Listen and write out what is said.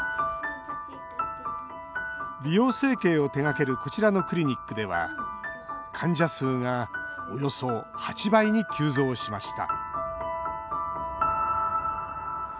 美容整形を手がけるこちらのクリニックでは患者数がおよそ８倍に急増しました